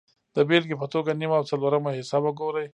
د بېلګې په توګه نیم او څلورمه حصه وګورئ